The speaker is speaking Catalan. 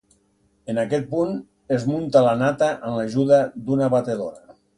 En aquest punt, es munta la nata amb l'ajuda d'una batedora.